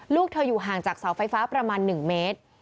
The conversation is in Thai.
ลูกเธออยู่ห่างจากเสาไฟฟ้าประมาณ๑เมตร